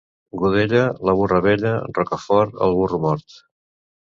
Godella, la burra vella; Rocafort, el burro mort.